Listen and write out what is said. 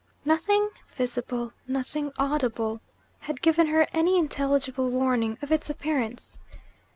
Nothing visible, nothing audible, had given her any intelligible warning of its appearance.